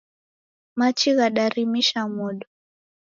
Machi ghadarimisha modo.